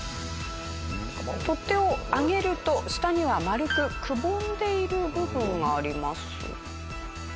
取っ手を上げると下には丸くくぼんでいる部分があります。